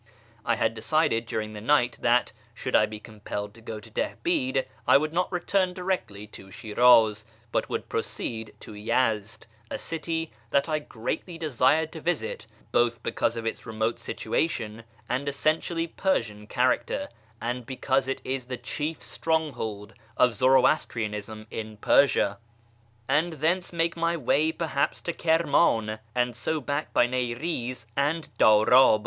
I had decided during the night that, should I be compelled to go to Dihbid, I would not return directly to Shiraz, but would proceed to Yezd (a city that I greatly desired to visit, both because of its remote situation and essentially Persian character, and because it is the chief strong hold of Zoroastrianism in Persia), and thence make my way perhaps to Kirman, and so back by Niriz and Dan'ib.